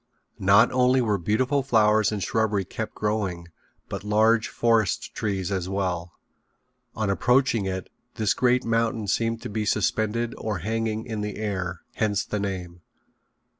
Not only were beautiful flowers and shrubbery kept growing, but large forest trees as well. On approaching it this great mountain seemed to be suspended or hanging in the air hence the name.